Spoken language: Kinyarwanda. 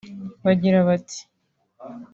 bagira bati